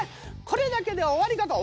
これだけで終わりかと。